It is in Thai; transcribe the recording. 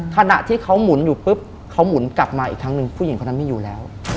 ขณะที่เขาหมุนอยู่ปุ๊บเขาหมุนกลับมาอีกครั้งหนึ่งผู้หญิงคนนั้นไม่อยู่แล้ว